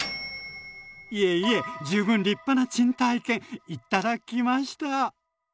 いえいえ十分立派な珍体験頂きました。